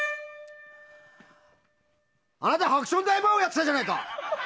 あなた「ハクション大魔王」やっていたじゃないか！